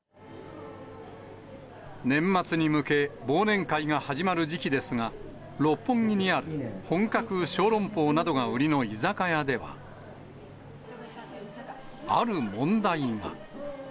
年末に向け、忘年会が始まる時期ですが、六本木にある本格小籠包などが売りの居酒屋では、ある問題が。